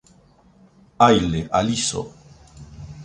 Aile, aliso.